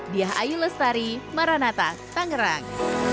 diah ayu lestari maranata tangerang